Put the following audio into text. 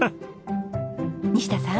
西田さん。